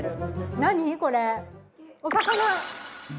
これ、お魚！